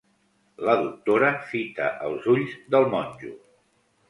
La doctora fita els ulls del monjo.